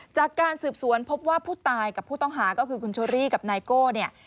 จากการสืบสวนพบว่าผู้ตายกับผู้ต้องหาก็คือคุณเชอรี่กับนายโก้เนี่ย